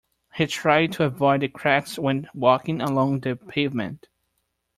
He tried to avoid the cracks when walking along the pavement